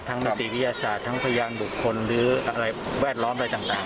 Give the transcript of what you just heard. นิติวิทยาศาสตร์ทั้งพยานบุคคลหรืออะไรแวดล้อมอะไรต่าง